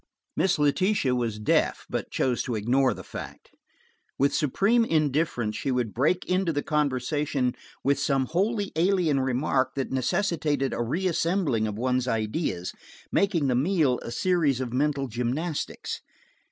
Miss Letitia was deaf, but chose to ignore the fact. With superb indifference she would break into the conversation with some wholly alien remark that necessitated a reassembling of one's ideas, making the meal a series of mental gymnastics.